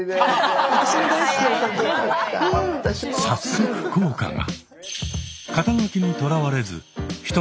早速効果が。